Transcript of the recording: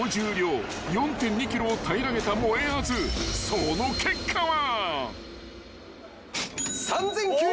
［その結果は］